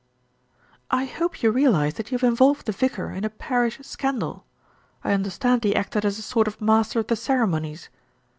"I hope you realise that you have involved the vicar in a parish scandal. I understand he acted as a sort of master of the ceremonies."